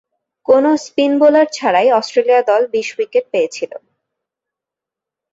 কোন spin bowler ছাড়াই Australia দল বিশ উইকেট পেয়েছিল।